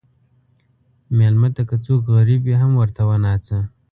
مېلمه ته که څوک غریب وي، هم ورته وناځه.